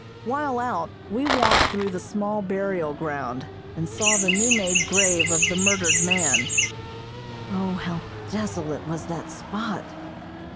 While out, we walked through the small burial ground, and saw the new made grave of the murdered man. O, how desolate was that spot!